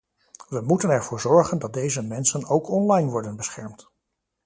We moeten ervoor zorgen dat deze mensen ook online worden beschermd.